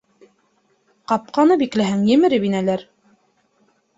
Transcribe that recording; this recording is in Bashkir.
Ҡапҡаны бикләһәң, емереп инәләр.